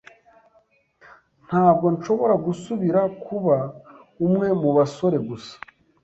Ntabwo nshobora gusubira kuba umwe mubasore gusa.